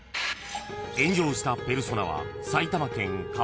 ［炎上したペルソナは］